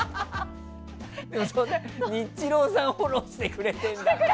ニッチローさんもフォローしてくれてるんだ。